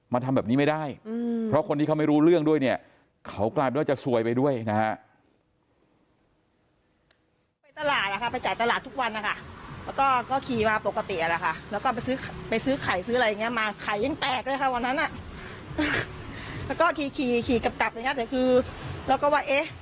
ทำแบบนี้ไม่ได้เพราะคนที่เขาไม่รู้เรื่องด้วยเนี่ยเขากลายเป็นว่าจะซวยไปด้วยนะฮะ